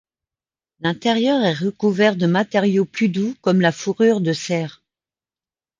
L’intérieur est recouvert de matériaux plus doux comme la fourrure de cerf.